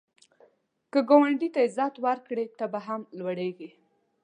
که ګاونډي ته عزت ورکړې، ته به لوړیږې